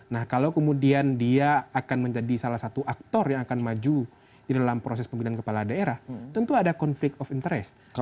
nah kalau kemudian dia akan menjadi salah satu aktor yang akan maju di dalam proses pemilihan kepala daerah tentu ada konflik of interest